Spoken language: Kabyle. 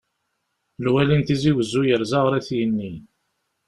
Lwali n tizi wezzu yerza ɣer At yanni.